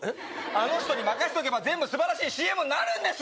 あの人に任しとけば全部すばらしいＣＭになるんですよ